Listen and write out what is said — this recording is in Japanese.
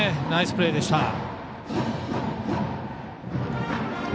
ナイスプレーでした。